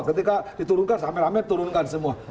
ketika diturunkan samer amer turunkan semua